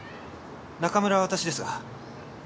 中村は私ですが。